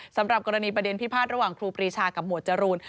สำหรับกรณีประเด็นพิพาทระหว่างครูปรีชากับหมวดจรูน